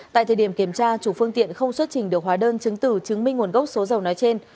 tại thời điểm kiểm tra chủ phương tiện không xuất trình được hóa đơn chứng từ chứng minh nguồn gốc số dầu nói trên